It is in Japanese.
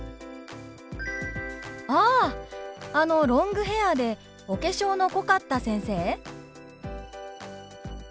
「ああのロングヘアーでお化粧の濃かった先生？」。